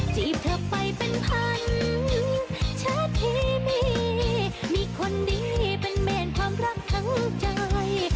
จีบเธอไปเป็นพันชาเคมีมีคนดีเป็นเมนความรักทั้งใจ